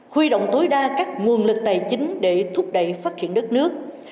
huy động tối đa các nguồn lực tài chính để thúc đẩy phát triển đất nước